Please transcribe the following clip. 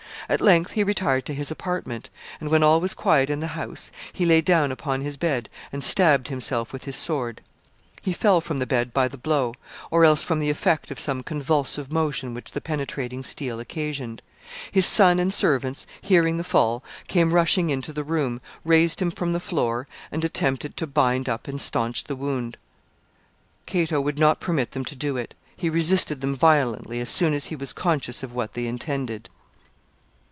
At length he retired to his apartment, and, when all was quiet in the house, he lay down upon his bed and stabbed himself with his sword He fell from the bed by the blow, or else from the effect of some convulsive motion which the penetrating steel occasioned. His son and servants, hearing the fall, came rushing into the room, raised him from the floor, and attempted to bind up and stanch the wound. Cato would not permit them to do it. He resisted them violently as soon as he was conscious of what they intended.